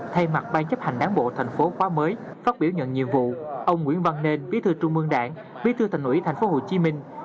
thay mặt ban chấp hành đảng bộ tp hcm phát biểu nhận nhiệm vụ ông nguyễn văn nền bí thư trung mương đảng bí thư thành ủy tp hcm